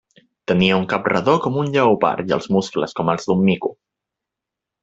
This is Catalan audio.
Tenia un cap redó com un lleopard i els muscles com els d'un mico.